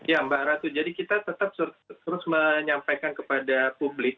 ya mbak ratu jadi kita tetap terus menyampaikan kepada publik